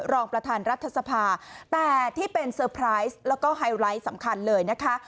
รองประธานรัฐสภาแต่ที่เป็นเซอร์ไพรส์แล้วก็ไฮไลท์สำคัญเลยนะคะ